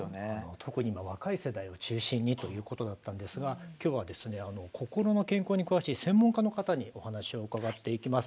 特に若い世代を中心にということだったんですが今日は心の健康に詳しい専門家の方にお話を伺っていきます。